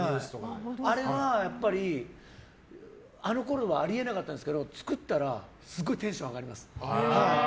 あのころあり得なかったんですが作ったらすごいテンション上がります。